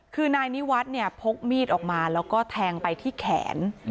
คือนายนิวัฒน์เนี่ยพกมีดออกมาแล้วก็แทงไปที่แขน